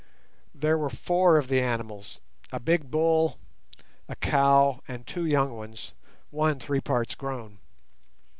There were four of the animals, a big bull, a cow, and two young ones, one three parts grown.